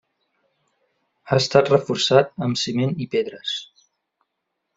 Ha estat reforçat amb ciment i pedres.